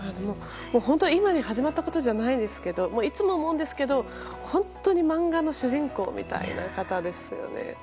本当に今に始まったことじゃないですけどいつも思うんですが漫画の主人公みたいな方ですよね。